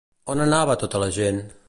On anava tota la gent?